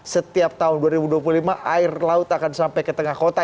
setiap tahun dua ribu dua puluh lima air laut akan sampai ke tengah kota